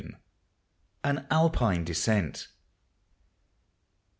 AN ALPINE DESCENT.